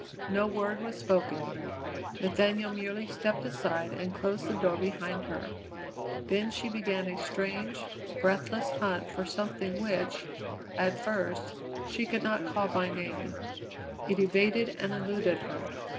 No word was spoken. Nathaniel merely stepped aside and closed the door behind her. Then she began a strange, breathless hunt for something which, at first, she could not call by name; it evaded and eluded her.